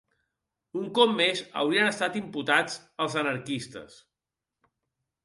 Un cop més, haurien estat imputats als anarquistes